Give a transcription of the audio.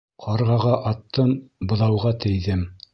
Ҡарғаға аттым, быҙауға тейҙе.